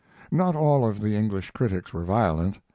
Not all of the English critics were violent.